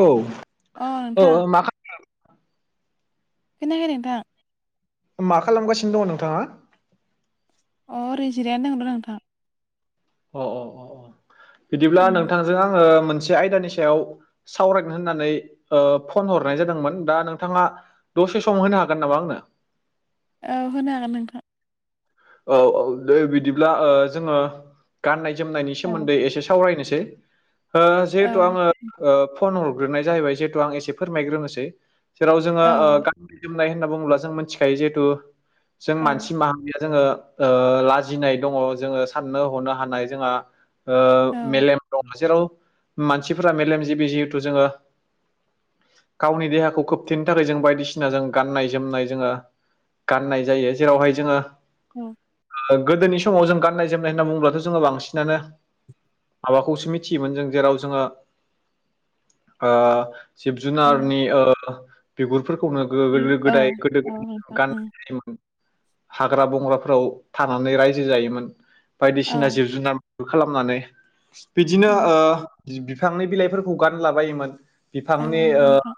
औ अ औ नोंथां औ मा खा खोनायाखै नोंथां मा खालामगासिनो दंङ नोंथाङा? अह रै जिरायानो दं नोंथां। अ अ अ अ बिदिब्ला उम नोंथांजों आङो मोनसे आयदानि सायाव सावरायगोन होननानै ओ फन हरनाय जादोंमोन दा नोंथाङा दसे सम होनो हागोन नामा आंनो? औ होनो हागोन नोंथां। औ औ दे बिदिब्ला जोङो गाननाय जोमनायनि औ सोमोन्दै एसे सावरायनोसै। ओ औ जिहेथु आङो फन हरग्रोनाय जाहैबाय जिहेतु आं एसे फोरमायग्रोनोसै। जेराव जोङो औ ओ गाननाय जोमनाय होनना बुङोब्ला जों मिथिखायो जिहेथु जों औ मानसि मा जोङो ओ लाजिनाय दङ जोङो साननो हनो हानाय जोंहा ओ‌ औ मेलेम दं जेराव मानसिफोरा मेलेमजिबि जिहेथु जोङो गावनि देहाखौ खोबथेनो थाखाय जों बायदिसिना जों गाननाय जोमनाय जोङो गाननाय जायो जेरावहाय जोङो अ ओ गोदोनि समाव जों गान्नाय जोमनाय होनना बुङोब्लाथ' जोङो बांसिनानो माबाखौसो मिथियोमोन जों जेराव जोङो ओ जिब औ जुनारनि ओ बिगुरफोरखौनो गो बिर गोदो औ गोदाय गोदो औ नोंथां उम गाननाय जायोमोन हाग्रा बं बंग्राफोराव थानानै रायजो जायोमोन औ बायदिसिना जिब जुनार खालामनानै बिदिनो उम ओ बिफांनि बिलाइफोरखौ गानलाबायोमोन औ बिफांनि ओ नंगौ नोंथां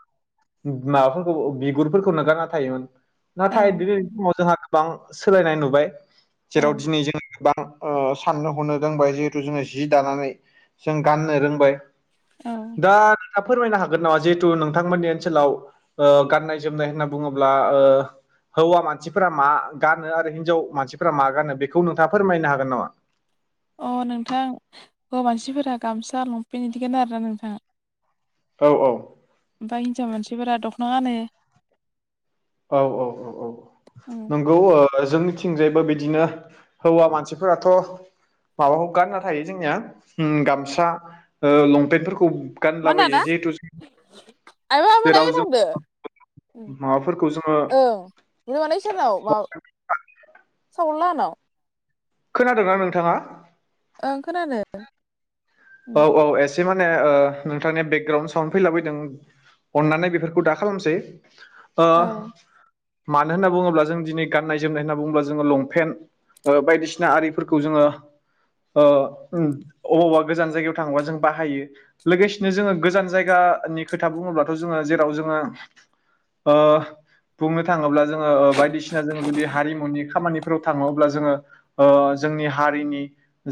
माबाफोरखौ बिगुरफोरखौ गानना थायोमोन। औ नाथाय दिनै औ समाव जोंहा गोबां सोलायनाय नुबाय जेराव दिनै जोङो गोबां साननो हनो रोंबाय जिहेथु जोङो जि दानानै जों गाननो रोंबाय। औ दा फोरमायनो हागोन नामा जिहेथु नोंथांमोननि ओनसोलाव गाननाय ओ जोमनाय होनना बुङोब्ला ओ हौवा मानसिफोरा मा गानो आरो हिनजाव मानसिफोरा मा गानो बेखौ नोंथाङा फोरमायनो हागोन नामा? अह नोंथां हौवा मानसिफोरा गामसा लंपेन्ट बिदि गानो आरोना नोंथां। औ-औ ओमफ्राय हिन्जाव मानसिफोरा दख'ना गानो। औ औ औ औ उम नों गौ ओ जोंनिथिंजायबो बिदिनो हौवा मानसिफोराथ' माबाखौ गानना थायो जोंनिया उम गामसा ओ लंपेन्टफोरखौ मा होनदो गानलाबायो आदा जिहेथु आइ बाबा मोना जेराव ऐयाव जों थांदों माबाफोरखौ जोङो ओ औ [unintelligible] खोनादोंना नोंथाङा? ओं खोनादो। औ औ एसे माने ओ नोंथांनि बेकग्राावउन्ड साउन्ड फैलाबायदों अननानै बेफोरखौ दा खालामसै ओ औ मानो होनना बुङोब्ला जों दिनै गाननाय जोमनाय होनना बुङोब्ला जोङो लंफेन्ट ओ बायदिसिना आरिफोरखौ जोङो ओ उम अबावबा गोजान जायगायाव थाङोबा जों बाहायो। लोगोसेनो जोङो गोजान जायगानि खोथा बुङोब्लाथ' जोङो जेराव जोङो ओ बुंनो थाङोब्ला जोङो ओ बायदिसिना जों जुदि हारिमुनि खामानिफोराव थाङो अब्ला जोङो ओ जोंनि हारिनि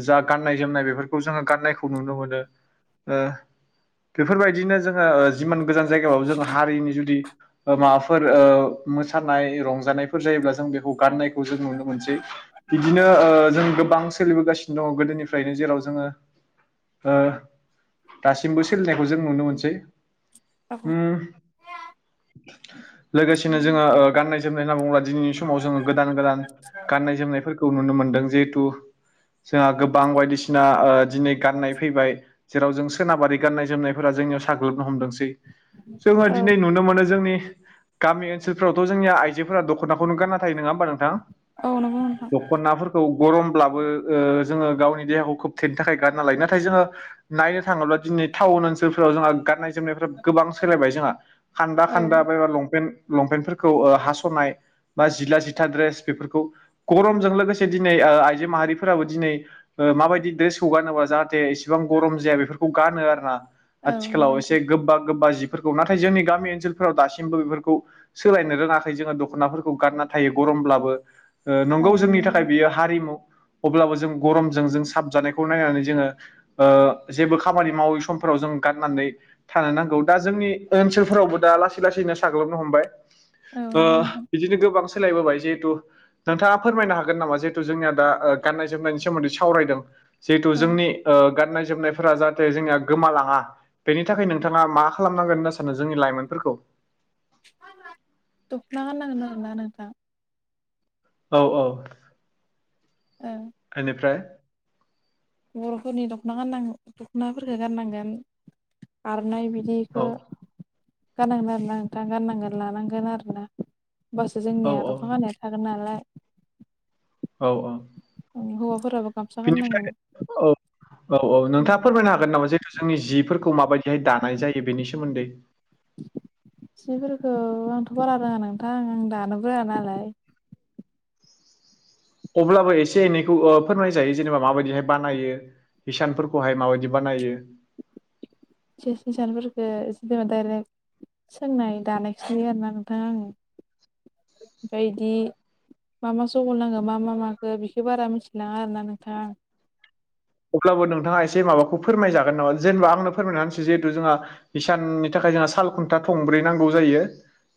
जा गाननाय जोमनाय बेफोरखौ जोङो गाननायखौ नुनो मोनो ओ बेफोरबायदिनो जोङो ओ जिमान गोजान जायगाबाबो जों हारिनि जुदि ओ माबाफोर ओ मोसानाय रंजानायफोर जायोब्ला जों बेखौ गाननायखौ जों नुनो मोनसै। बिदिनो ओ जों गोबां सोलिबोगासिनो दङ गोदोनिफ्रायनो जेराव जोङो ओ दासिमबो सोलिनायखौ जों नुनो मोनसै औ उम लोगोसेनो जोङो ओ गाननाय जोमनाय नांगौ होमबा दिनैनि समाव जों गोदान गोदान गाननाय जोमनायफोर खौ नुनो मोनदों जिहेथु जोंहा गोबां बायदिसिना ओ दिनै गाननाय फैबाय जेराव जों सोनाबारि गाननाय जोमनायफोरा जोंनियाव साग्लोबनो हमदोंसै। जोङो औ दिनै नुनो मोनो जोंनि गामि ओनसोलफ्रावथ' जोंनिया आइजोफोरा दख'नाखौनो गानना थायो नङा होमबा नोंथां? औ नंगौ नोंथां। दखनाफोरखौ गरमब्लाबो ओ जोङो गावनि देहाखौ खोबथेनो थाखाय गानना लायो नाथाय जोङो नायनो थाङोब्ला दिनै थाउन ओनसोलफोराव जोंहा गाननाय जोमनायफोरा गोबां सोलायबाय जोंहा खान्दा औ खान्दा बायबा लंपेन्ट लंपेन्टफोरखौ ओ हास'नाय बा जिला जिथा ड्रेस बेफोरखौ गरमजों लोगोसे दिनै ओ आइजो माहारिफोराबो दिनै ओ माबायदि ड्रेस खौ गानोबा जाहाथे इसेबां गरम जाया बेफोरखौ गानो आरोना, औ नंगौ आथिखालाव नोंथां एसे गोबा गोबा जिफोरखौ नाथाय जोंनि गामि ओनसोलफोराव दासिमबो बेफोरखौ सोलायनो रोङाखै जोङो दख'नाफोरखौ गानना थायो गरमब्लाबो। ओ नंगौ जोंनि थाखाय बियो हारिमु अब्लाबो जों गरमजों जों साबजानायखौ नायनानै जोङो ओ जेबो खामानि मावै समफोराव जों गाननानै थानो नांगौ दा जोंनि ओनसोलफोरावबो दा लासै लासैनो साग्लोबनो हमबाय। औ ओ नंगौ नोंथां बिदिनो गोबां सोलायबोबाय जिहेथु नोंथाङा फोरमायनो हागोन नामा जिहेथु जोंनिया दा ओ गाननाय जोमनायनि सोमोन्दै सावरायदों जिहेथु औ जोंनि ओ गाननाय जोमनायफोरा जाहाथे जोंनिया गोमालाङा बेनि थाखाय नोंथाङा मा खालामनांगोन होनना सानो जोंनि लाइमोनफोरखौ दखना गाननांगोन आरोना नोंथां औ औ ओ इनिफ्राय बर'फोरनि दख'ना गाननां दख'नाफोरखो गाननांगोन आर'नाय बिदि औ ओ गाननांगोन आरोना नोंथा गाननांगोन लानांगोन आरोना होमबासो औ जोंनिया दखना गाननाया थागोन नालाय औ औ। उम हौवाफोराबो गामसा बिनिफ्राय गाननांगोन। औ औ औ नोंथाङा फोरमायनो हागोन नामा जिहेथु जोंनि जिफोरखौ माबायदि बे दानाय जायो बेनि सोमोन्दै सिफोरखौ आंथ' बारा रोङा नोंथां आं दानोबो रोङा नालाय। अब्लाबो एसे एनैखौ ओ फोरमाय जायो जेनेबा माबायदिहाय बानायो। हिसानफोरखौहाय माबायदि बानायो। [unintelligible] सोंनाय दानायखौै नुयो आरोना नोंथां आं ओमफ्राय इदि मा मा सह नांगौ मा मा माखो बेखो बारा मिथिलाङा आरोना नोंथां आं। अब्लाबो नोंथाङा एसे माबाखौ फोरमायजागोन नामा जेनेबा आंनो फोरमायनानै होनसै जिहेथु जोंहा इसाननि थाखाय जोंहा साल खुन्था थंब्रै नांगौ जायो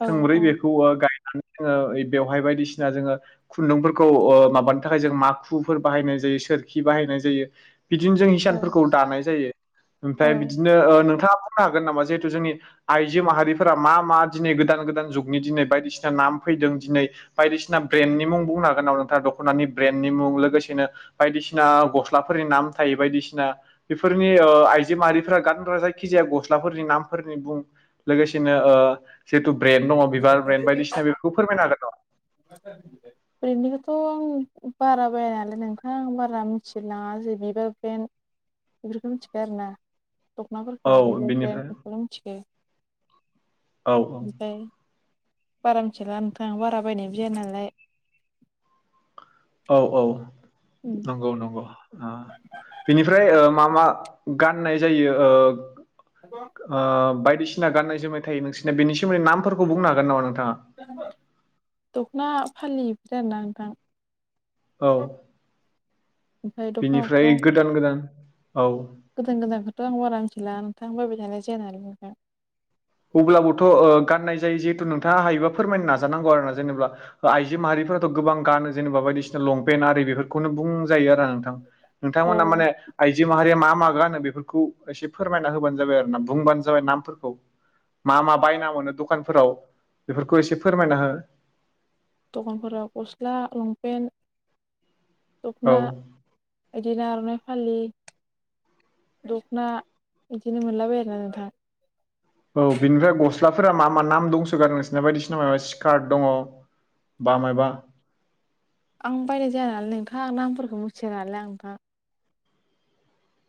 औ थोंब्रै औ बेखौ गायनानै जोङो बेवहाय बायदिसिना जोङो खुन्दुंफोरखौ ओ माबानो थाखाय जों माखुफोर बाहायनाय जायो सोरखि बाहायनाय जायो। बिदिनो जों औ हिसानफोरखौ दानाय जायो औ ओमफ्राय बिदिनो ओ नोंथाङा बुंनो हागोन नामा जिहेथु जोंनि आइजो माहारिफोरा मा मा दिनै गोदान गोदान जुगनि दिनै बायदिसिना नाम फैदों दिनै बायदिसिना ब्रेन्डनि मुं बुंनो हागोन नामा नोंथांआ दख'नानि ब्रेन्डनि मुं लोगोसेनो बायदिसिना गस्ला स्लाफोरनि नाम थायो बायदिसिना बेफोरनि ओ आइजो माहारिफोरा गानग्रा जायखिजाया गस्लाफोरनि नामफोरनि बुं लोगोसेनो ओ जिथु ब्रेन्ड दङ बिबार ब्रेन्ड बायदिसिना बेफोरखौ फोरमायनो हागोन नामा? [inaudible] ब्रेनडनिखौथ' आं बारा बायानालाय नोंथां आं बारा मिथिलायलाङा जे बिबार ब्रेन्ड बेफोरखौ मिथिखाया आरोना। हागोन नामा? दखनाफोरखौ औ बिबार ब्रेन्ड बेनिफ्राय बेखौल मिथिगौ। औ ओमफ्राय बारा मिथिला नोंथां बारा बायनायबो जाया नालाय। औ औ। उम। नंगौ नंगौ ओ बेनिफ्राय ओ मा मा गाननाय जायो ओ [inaudible] ओ बायदिसिना गाननाय जोमनाय थायो नोंसिना बेनि सोमोन्दै नामफोरखौ बुंनो हागोन नामा नोंथाङा? दख'ना फालि बिदि आरोना नोंथां। औ। ओमफ्राय दख'ना बेनिफ्राय अग्रं गोदान गोदान औ गोदान गोदानखौथ' आं बारा मिथिला नोंथां बायबाय थानाय जाया नालाय नोंथां अब्लाबोथ' ओ गाननाय जायो जिहेथु नोंथाङा हायोबा फोरमायनो नाजानांगौ आरोना जेनेबा आइजो माहारिफोरा गोबां गानो जेनेबा बायदिसिना लंपेन्ट आरि बेफोरखौनो बुंजायो आरो नोंथां अ नोंथांमोना माने आइजो माहारिया मा मा गानो बेफोरखौ एसे फोरमायना होबानो जाबाय आरोना बुंबानो जाबाय नामफोरखौ मा मा बायना मोनो दखानफोराव बेफोरखौ एसे फोरमायना हो दखानफोराव गस्ला लंपेन्ट औ दख'ना बिदिनो आर'नाइ फालि दख'ना बिदिनो मोनलाबायो आरोना नोंथां औ बेनिफ्राय गस्लाफोरा मा मा नाम दंसोगारो नोंसोरना बायदिसिना मा स्कार्ट दङ बा मायबा आं बायनाय जाया नालाय नोंथां नामफोरखौ मिथिया नालाय नोंथां।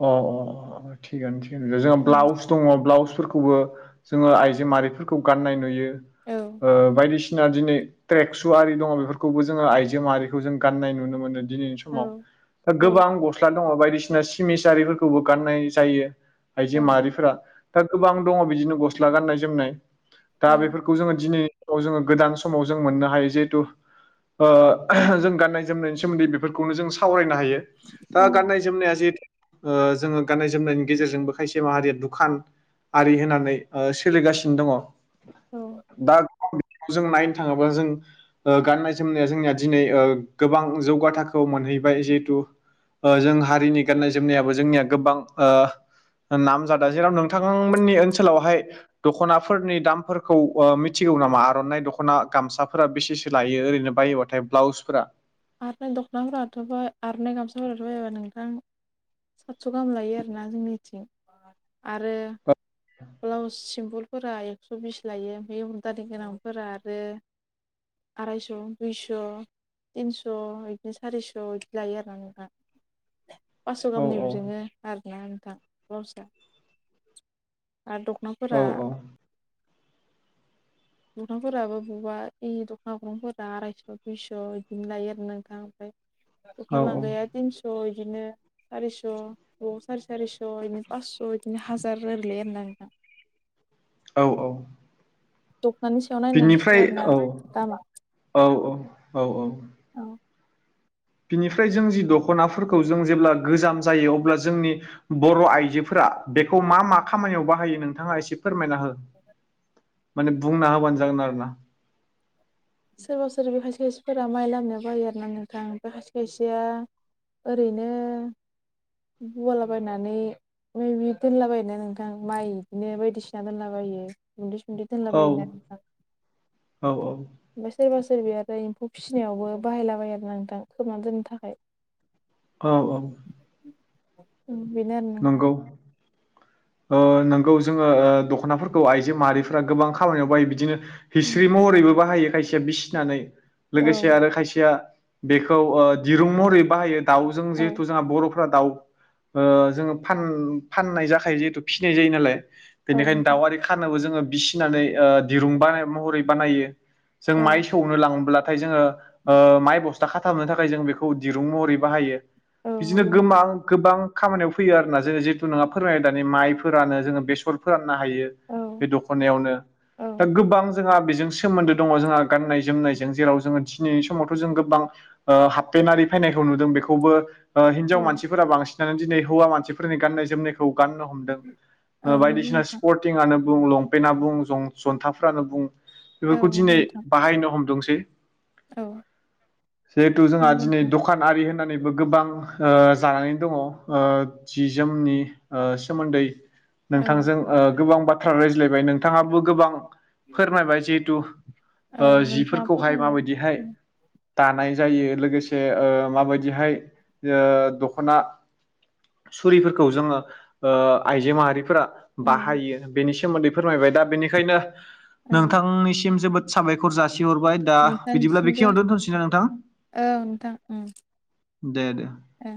अ अ अ थिगानो थि जोंहा ब्लाउस दङ ब्लाउसफोरखौबो जोङो आइजो माहारिफोरखौ गाननाय नुयो। औ ओ बायदिसिना दिनै ट्रेक्सु आरि दङ बेफोरखौबो जोङो आइजो माहारिखौ जों गाननाय नुनो मोनो दिनै समाव दा औ गोबां गस्ला दङ बायदिसिना सिमिस आरिफोरखौबो गाननाय जायो। आइजो औ माहारिफोरा दा गोबां दङ बिदिनो गस्ला गाननाय जोमनाय। दा बेफोरखौ जोंङो दिनैनि जोङो गोदान समाव जों मोननो हायो जिहेथु ओ जों गान्नाय जोमनायनि सोमोन्दै बेफोरखौनो जों सावरायनो हायो। औ दा गाननाय जोमनाया जिहेथु ओ जोङो गाननाय जोमनायनि गेजेरजोंबो खायसे माहारिया दुखान आरि होनानै सोलिगासिनो दङ' औ दा जों नायनो थांङोबा जों ओ गाननाय जोमनाया जोंनिया दिनै ओ गोबां जौगााथखौ मोनहैबाय जिहेथु जों हारिनि गाननाय जोमनायाबो जोंनिया गोबां ओ नामजादा जेराव नोंथांमोननि ओनसोलावहाय दख'नाफोरनि दामफोरखौ मिथिगौ नामा आर'नाइ दख'ना गामसाफोरा बेसेसो लायो ओरैनो बायोबा ब्लाउसफोरा आरनाय दख'नाफोराथ' आरनाय गामसाफोराथ' बायोबा नोंथां सातस' गाहाम लायो आरोना जोंनिथिं आरो औ ब्लाउस सिम्पोलफोरा एक्स' बिस लायो ओमफ्राय एम्ब्र'दारि गोनांफोरा आरो आरायस' दुइस' थिनस' बिदिनो सारिस' बिदि लायो आरो नोंथां फास्स' औ औ गाहामनिबो दोंङो। आरोना नोंथां ब्लाउसआ आरो औ दख'नाफोरा दखांफोराबो बबेबा इ दख'ना अग्रंफोरा आरायस' दुइस' बिदिनो लायो आरो ना नोंथां ओमफाय औ दफ लांगाया थिनस' इदिनो सारिस' अबावा सारि सारिस' बिदिनो फासस' बिदिनो हाजार ओरै लायो आरो ना नोंथां औ औ दखनानि सायाव नायनानैसो बिनिफ्राय आरोना औ दामा औ औ औ औ औ बिनिफ्राय जों जि दख'नाफोरखौ जों जेब्ला गोजाम जायो अब्ला जोंनि बर' आइजोफोरा बेखौ मा मा खामानियाव बाहायो नोंथाङा एसे फोरमायना हो माने बुंना होबानो जागोन आरो ना सोरबा सोरबि खायसे खायसेफोरा माइ लामनो बायो आर ना नोंथां बे खायसे खायसेया ओरैनो उवालाबायनानै मै बि दोनलाबायायोना नोंथां माइ इदिनो बायदिसिना दोनलाबायो गुन्दै सुनदै दोनला औ बायोना नोंथां औ औ ओमफाय सोरबा सोरबायाबो एम्फौ फिनायावबो बाहायलाबायो आरो ना नोंथां खोबना दोननो थाखाय। औ औ। औ बिनो आरोना नोथां। नंगौ ओ नोंगौ जोङो दख'नाफोरखौ आइजो माहारिफोरा गोबां खामानियाव बायो बिदिनो हिस्रि महरैबो बाहायो खायसेया बिसिनानै औ लोगोसे आरो खायसेया बेखौ ओ दिरुं महरै बाहायो दाउजों जिहेथु जोंहा बर'फ्रा दाउ ओ जों फान-फाननाय जाखायो जिहेथु फिनाय जायो नालाय बेनिखायनो दाउ आरि खानोबो जोंङो बिसिनानै ओ दिरुं बानाय महरै बानायो जों माइ सौ नो लांब्लाथाय जोङो ओ माइ बस्था खाथाबनो थाखाय जों बेखौ दिरुं महरै बाहायो। औ बिदिनो नोंथां गोमां गोबां खामानियाव फैयो आरोना जोङो जिथु नोंङा फोरमायो दानि माइ फोरानो जोङो बेसर फोराननो हायो। औ बे दख'नायावनो दा गोबां जोंहा बेजों सोमोन्दो दङ जोंहा गाननाय जोमनायजों जेराव जोङो दिनैनि समावथ' जों गोबां ओ हाबफेेनारि फैनायखौ नुदों बेखौबो ओ हिनजाव औ मानसिफोरा बांसिनानो दिनै हौवा मानसिफोरनि गाननाय जोमनायखौ गाननो हमदों नंगौ बायदिसिना नोंथां स्पर्टिंआनो बुं लंपेन्टना बुं जं-जन्थाफ्रानो बुं औ औ बेफोरखौ नंगौ दिनै नोंथां बाहायनो हमदोंसै औ जिहेथु जोंहा नंगौ नोंथां औ नंगौ दिनै नोंथां द दखान आरि होनानैबो गोबां ओ जानानै दङ। ओ जि जोमनि ओ सोमोन्दै नोंथांजों ओ गोबां बाथ्रा रायज्लायबाय नोंथाङाबो गोबां। फोरमायबाय जिहेतु ओ औ औ नोंथाङा जिफोरखौहाय फोरमायबाय माबायदिहाय औ दानाय जायो लोगोसे ओ माबायदिहाय ओ दख'ना सुरिफोरखौ जोङो ओ आइजो माहारिफोरा बाहायो बेनि सोमोन्दै फोरमायबाय दा बेनिखायनो औ नोंथांनिसिम जोबोद साबायखर जासिहरबाय। दा बिदिब्ला नोंथांनिसिमबो बेखियाव दोनथ'सैना नोंथां औ दे दे। ओ।